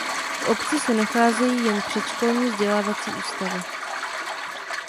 V obci se nacházejí jen předškolní vzdělávací ústavy.